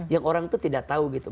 yang orang itu tidak tahu gitu